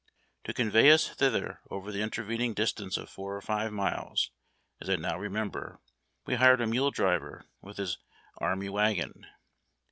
To convey ns thither over the intervening distance of four or five miles, as I now remember, we hired a mule driver with his arm}^ wagon.